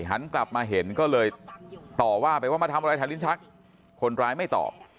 หันกลับมาเห็นก็เลยต่อว่าไปว่ามาทำอะไรแถวลิ้นชักคนร้ายไม่ตอบ